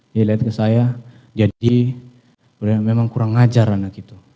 dia lihat ke saya jadi memang kurang ngajar anak itu